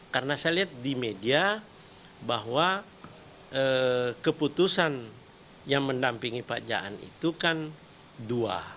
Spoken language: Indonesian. karena saya lihat di media bahwa keputusan yang mendampingi pak jaan itu kan dua